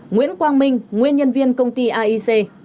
nguyễn quang minh nguyên nhân viên công ty aic